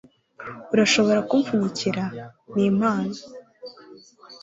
Urashobora kumpfunyikira? Ni impano.